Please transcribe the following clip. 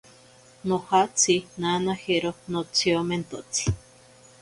Nojatsi nanajero notsiomentotsi.